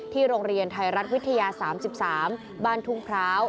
โรงเรียนไทยรัฐวิทยา๓๓บ้านทุ่งพร้าว